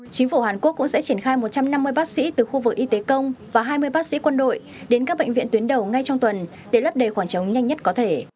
chính phủ hàn quốc cũng sẽ triển khai một trăm năm mươi bác sĩ từ khu vực y tế công và hai mươi bác sĩ quân đội đến các bệnh viện tuyến đầu ngay trong tuần để lấp đầy khoảng trống nhanh nhất có thể